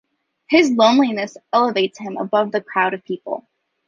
His loneliness elevates him above the crowd of people.